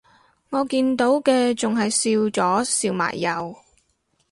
我見到嘅仲係笑咗笑埋右